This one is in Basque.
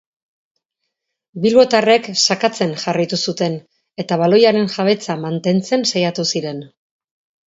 Bilbotarrek sakatzen jarraitu zuten eta baloiaren jabetza mantentzen saiatu ziren.